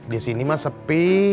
disini mah sepi